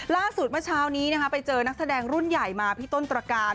เมื่อเช้านี้ไปเจอนักแสดงรุ่นใหญ่มาพี่ต้นตรการ